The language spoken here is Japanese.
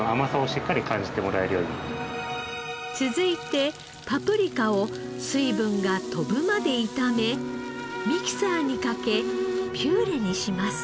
続いてパプリカを水分が飛ぶまで炒めミキサーにかけピューレにします。